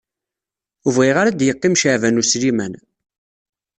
Ur bɣiɣ ara ad yeqqim Caɛban U Sliman.